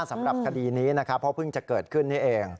สำหรับคดีนี้นะครับเพราะเพิ่งจะเกิดขึ้นนี่เอง